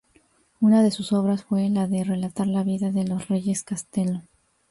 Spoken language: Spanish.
Una de sus obras fue la de relatar la vida de los reyes Castelo.